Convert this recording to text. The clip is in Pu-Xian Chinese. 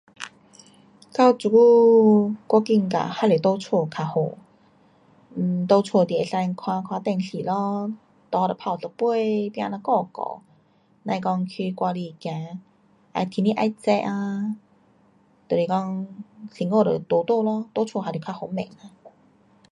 到这久我觉得还是在家较好。呃，在家你可以看看电视咯，茶就泡一杯，饼呐咬咬，甭讲去外面走，啊天气热啊，就是讲辛苦就躺躺咯。在家还是较方便。